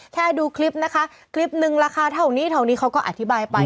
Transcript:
แค่ดูคลิปนะคะคลิปนึงราคาเท่านี้เท่านี้เขาก็อธิบายไป